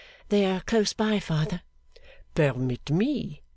'They are close by, father.' 'Permit me!